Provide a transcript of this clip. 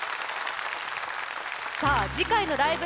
さあ次回の「ライブ！